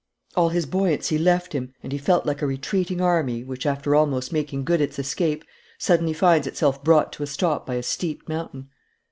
All his buoyancy left him, and he felt like a retreating army which, after almost making good its escape, suddenly finds itself brought to a stop by a steep mountain.